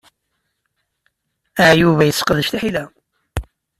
Yuba yesseqdec tiḥila.